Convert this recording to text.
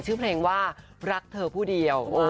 ชื่อเพลงว่ารักเธอผู้เดียว